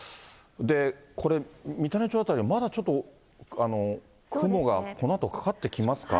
これ、三種町辺りはまだちょっと雲がこのあとかかってきますか。